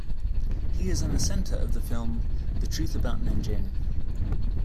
He is an assenter of the film "The Truth about Nanjing".